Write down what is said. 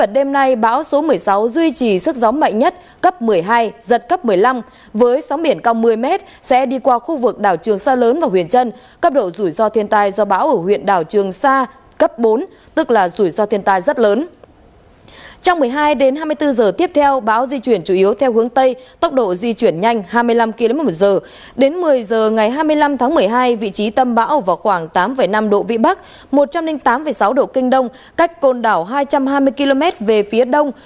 đến một mươi h ngày hai mươi năm tháng một mươi hai vị trí tâm bão vào khoảng tám năm độ vị bắc một trăm linh tám sáu độ kinh đông cách côn đảo hai trăm hai mươi km về phía đông